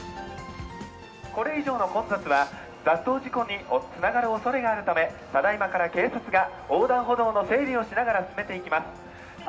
これ以上の混雑は雑踏事故につながるおそれがあるため、ただいまから警察が、横断歩道の整理をしながら進めていきます。